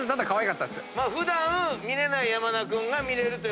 普段見れない山田君が見れるということで。